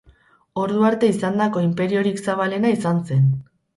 Ordu arte izandako inperiorik zabalena izan zen.